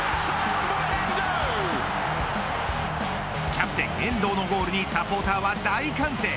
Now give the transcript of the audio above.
キャプテン遠藤のゴールにサポーターは大歓声。